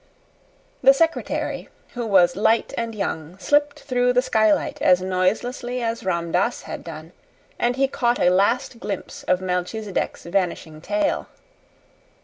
The secretary, who was light and young, slipped through the skylight as noiselessly as Ram Dass had done; and he caught a last glimpse of Melchisedec's vanishing tail.